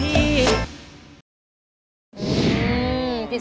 โทษให้โทษให้โทษให้